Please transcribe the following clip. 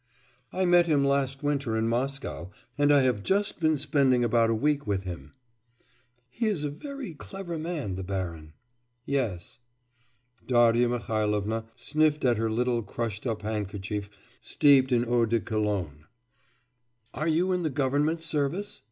'I met him last winter in Moscow, and I have just been spending about a week with him.' 'He is a very clever man, the baron.' 'Yes.' Darya Mihailovna sniffed at her little crushed up handkerchief steeped in eau de cologne. 'Are you in the government service?